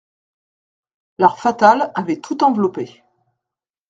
L'art fatal avait tout enveloppé.